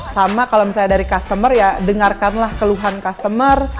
sama kalau misalnya dari customer ya dengarkanlah keluhan customer